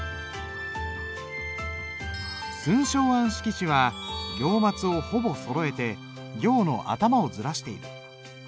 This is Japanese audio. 寸松庵色紙は行末をほぼそろえて行の頭をずらしている。